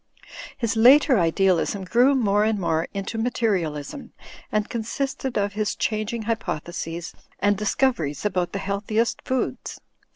His later idealism grew more and more into materialism and consisted of his changing hypotheses and discoveries about the healthiest foods.